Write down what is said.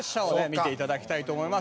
見ていただきたいと思います。